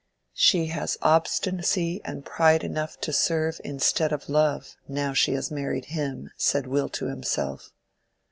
"She has obstinacy and pride enough to serve instead of love, now she has married him," said Will to himself.